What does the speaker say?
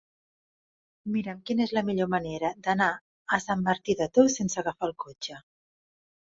Mira'm quina és la millor manera d'anar a Sant Martí de Tous sense agafar el cotxe.